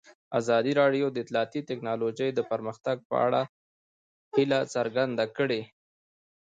ازادي راډیو د اطلاعاتی تکنالوژي د پرمختګ په اړه هیله څرګنده کړې.